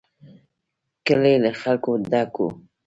کلی له خلکو ډک و.